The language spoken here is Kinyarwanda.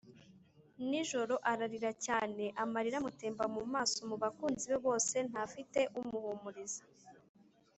Nijoro arira cyane, Amarira amutemba mu maso, Mu bakunzi be bose ntafite umuhumuriza.